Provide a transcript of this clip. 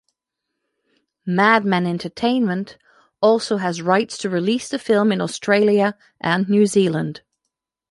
Madman Entertainment also has rights to release the film in Australia and New Zealand.